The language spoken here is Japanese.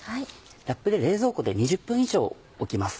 ラップで冷蔵庫で２０分以上置きます。